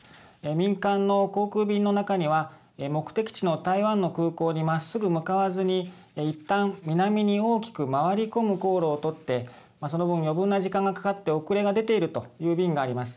民間の航空便の中には目的地の台湾の空港にまっすぐ向かわずにいったん南に大きく回り込む航路を取ってその後、余分な時間がかかって遅れが出ているという便があります。